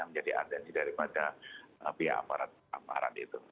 menjadi atensi daripada pihak aparat keamanan itu